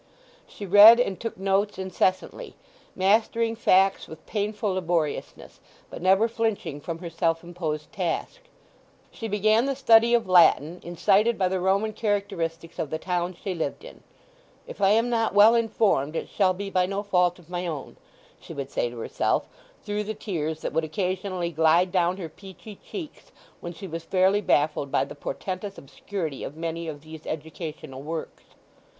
She read and took notes incessantly, mastering facts with painful laboriousness, but never flinching from her self imposed task. She began the study of Latin, incited by the Roman characteristics of the town she lived in. "If I am not well informed it shall be by no fault of my own," she would say to herself through the tears that would occasionally glide down her peachy cheeks when she was fairly baffled by the portentous obscurity of many of these educational works.